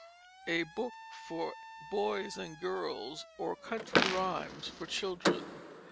_ _A Book for Boys and Girls, or Country Rhimes for Children.